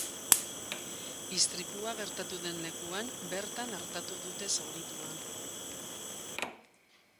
Istripua gertatu den lekuan bertan artatu dute zauritua.